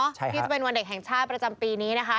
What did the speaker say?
ที่จะเป็นวันเด็กแห่งชาติประจำปีนี้นะคะ